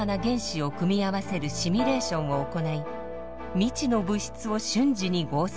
未知の物質を瞬時に合成。